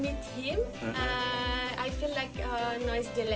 saya merasa seperti tidak adalah seorang jelek